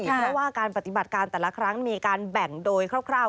เพราะว่าการปฏิบัติการแต่ละครั้งมีการแบ่งโดยคร่าว